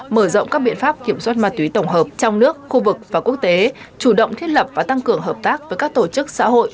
mở rộng các biện pháp kiểm soát ma túy tổng hợp trong nước khu vực và quốc tế chủ động thiết lập và tăng cường hợp tác với các tổ chức xã hội